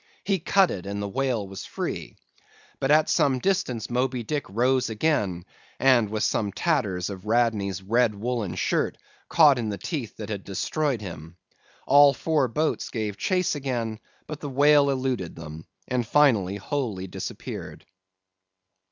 He cut it; and the whale was free. But, at some distance, Moby Dick rose again, with some tatters of Radney's red woollen shirt, caught in the teeth that had destroyed him. All four boats gave chase again; but the whale eluded them, and finally wholly disappeared.